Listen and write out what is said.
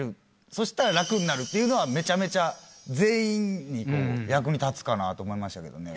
そしたら楽になるっていうのはめちゃめちゃ全員に役に立つかなと思いましたけどね。